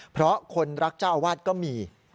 เพราะคนรักเจ้าอาวาสก็มี